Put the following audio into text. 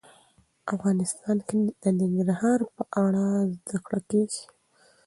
افغانستان کې د ننګرهار په اړه زده کړه کېږي.